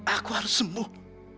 aku harus sembuh